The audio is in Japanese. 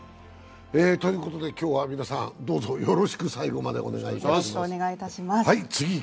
今日は皆さん、どうぞよろしく最後までお願いいたします。